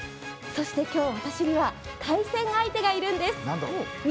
そして今日私には対戦相手がいるんです。